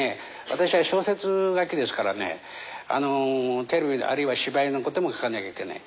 私は小説書きですからねテレビあるいは芝居のことも書かなきゃいけない。